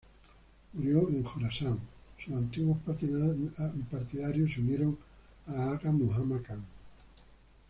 Murió en Jorasán.Sus antiguos partidarios se unieron a Aga Muhammad Khan.